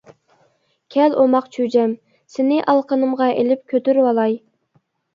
كەل ئوماق چۈجەم، سېنى ئالىقىنىمغا ئېلىپ كۆتۈرۈۋالاي.